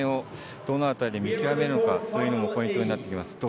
どの辺り、見極めるのかというのがポイントになります。